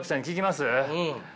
うん。